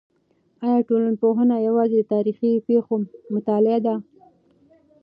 آیا ټولنپوهنه یوازې د تاریخي پېښو مطالعه ده؟